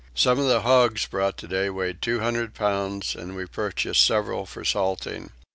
Some of the hogs brought today weighed 200 pounds and we purchased several for salting.